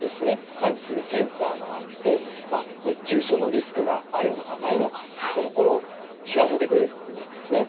感知するセンサーがあって熱中症のリスクがあるのかないのかといったところを知らせてくれるということなんですね。